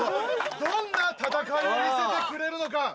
どんな戦いを見せてくれるのか。